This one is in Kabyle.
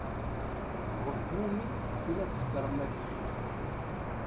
Ɣef umi i la theddṛem akka?